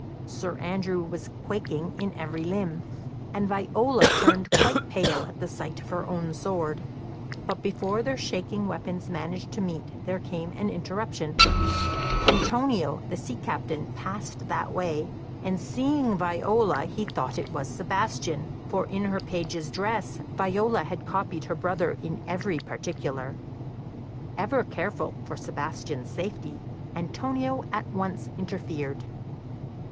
Sir Andrew was quaking in every limb, and Viola turned quite pale at the sight of her own sword. But before their shaking weapons managed to meet there came an interruption. Antonio, the sea captain, passed that way, and seeing Viola, he thought it was Sebastian, for in her page's dress Viola had copied her brother in every particular. Ever careful for Sebastian's safety, Antonio at once interfered.